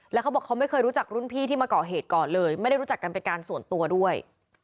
แล้วเขาบอกเขาไม่เคยรู้จักรุ่นพี่ที่มาก่อเหตุก่อนเลยไม่ได้รู้จักกันเป็นการส่วนตัวด้วย